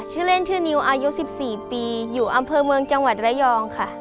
ชื่อเล่นชื่อนิวอายุ๑๔ปีอยู่อำเภอเมืองจังหวัดระยองค่ะ